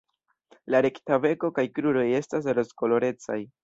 La rekta beko kaj kruroj estas rozkolorecaj.